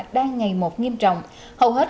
đang ngày một nghiêm trọng hầu hết